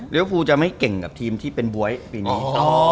ฟูจะไม่เก่งกับทีมที่เป็นบ๊วยปีนี้